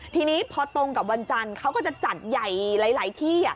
ทีนี้พอตรงกับวันจันทร์เขาก็จะจัดใหญ่หลายที่